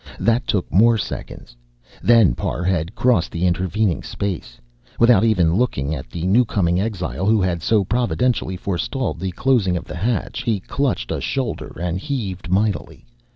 That took more seconds then Parr had crossed the intervening space. Without even looking at the newcoming exile who had so providentially forestalled the closing of the hatch, he clutched a shoulder and heaved mightily.